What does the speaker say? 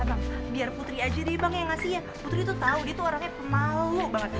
abang biar putri ajari bang yang ngasihnya putri tuh tau dia orangnya pemalu banget